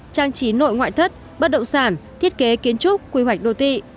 trang trí nội ngoại thất bất động sản thiết kế kiến trúc quy hoạch đô thị